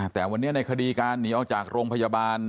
แต่วันนี้ในคดีการหนีออกจากโรงพยาบาล